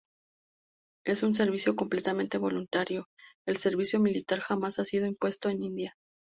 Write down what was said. Es un servicio completamente voluntario, el servicio militar jamás ha sido impuesto en India.